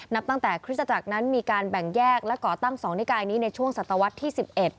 นับตั้งแต่คริสตจักรนั้นมีการแบ่งแยกและก่อตั้ง๒นิกายนี้ในช่วงศตวรรษที่๑๑